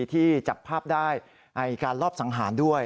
ที่จับภาพได้การลอบสังหารด้วย